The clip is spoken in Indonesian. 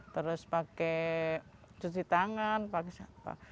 terus pakai cuci tangan pakai satwa